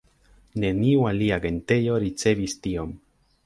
Neniu alia agentejo ricevis tiom.